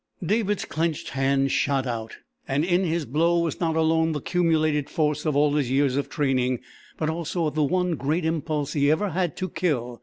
David's clenched hand shot out, and in his blow was not alone the cumulated force of all his years of training but also of the one great impulse he had ever had to kill.